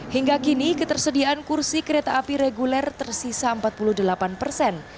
hingga kini ketersediaan kursi kereta api reguler tersisa empat puluh delapan persen